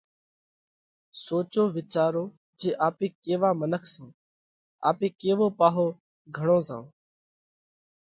سوچو وِيچارو جي آپي ڪيوا منک سون؟ آپي ڪيوو پاهو گھڻو زوئونه؟